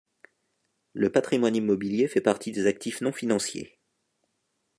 Le patrimoine immobilier fait partie des actifs non financiers.